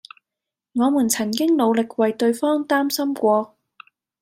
我們曾經努力為對方擔心過